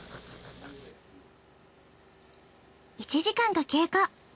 １時間が経過。